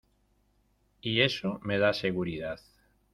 y eso me da seguridad.